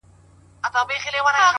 په داسي خوب ویده دی چي راویښ به نه سي